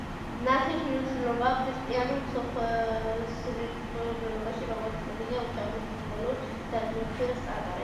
ნათლის მნიშვნელობა ქრისტიანულ მსოფლმხედველობაში, როგორც ცნობილია, უმთავრეს სიმბოლურ დატვირთვას ატარებს.